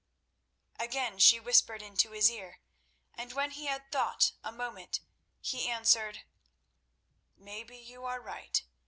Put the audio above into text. Again she whispered into his ear, and when he had thought a moment, he answered: "Maybe you are right.